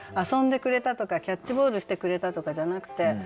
遊んでくれたとかキャッチボールしてくれたとかじゃなくて。